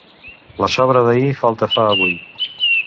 La sobra d'ahir, falta fa avui.